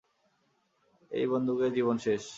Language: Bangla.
এই বন্দুকের জীবন শেষ।